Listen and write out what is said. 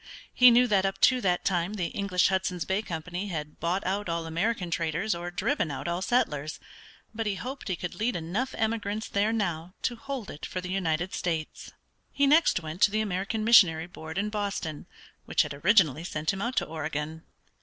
He knew that up to that time the English Hudson's Bay Company had bought out all American traders or driven out all settlers, but he hoped he could lead enough emigrants there now to hold it for the United States. He next went to the American Missionary Board in Boston, which had originally sent him out to Oregon.